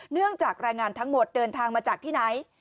จากรายงานทั้งหมดเดินทางมาจากที่ไหน